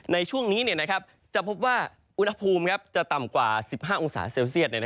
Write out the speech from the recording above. ในช่วงนี้จะพบว่าอุณหภูมิจะต่ำกว่า๑๕องศาเซลเซียต